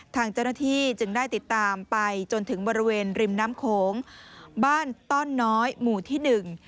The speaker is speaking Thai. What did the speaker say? ทางเจ้าหน้าที่จึงได้ติดตามไปจนถึงบริเวณริมน้ำโขงบ้านต้อนน้อยหมู่ที่หนึ่ง